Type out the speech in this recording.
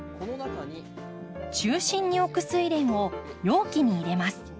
中心に置くスイレンを容器に入れます。